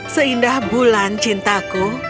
seindah bulan cintaku